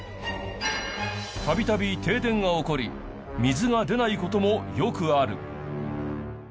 度々停電が起こり水が出ない事もよくある。